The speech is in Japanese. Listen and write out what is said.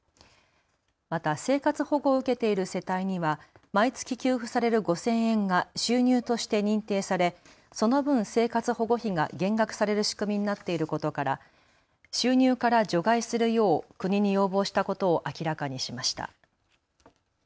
また生活保護を受けている世帯には毎月給付される５０００円が収入として認定されその分、生活保護費が減額される仕組みになっていることから収入から除外するよう国に要望したことを明らかにしました。